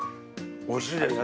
おいしいですね。